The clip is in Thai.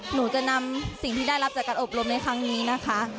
หนูจะนำสิ่งที่ได้รับจากการอบรมในครั้งนี้นะคะ